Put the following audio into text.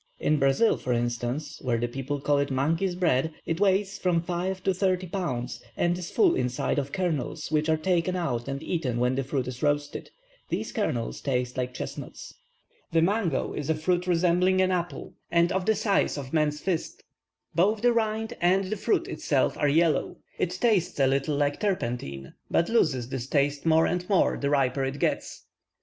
In Brazil, for instance, where the people call it monkeys' bread, it weighs from five to thirty pounds, and is full inside of kernels, which are taken out and eaten when the fruit is roasted. These kernels taste like chestnuts. The mango is a fruit resembling an apple, and of the size of a man's fist; both the rind and the fruit itself are yellow. It tastes a little like turpentine, but loses this taste more and more the riper it gets.